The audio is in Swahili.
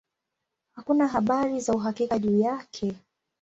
Hakuna habari za uhakika juu yake.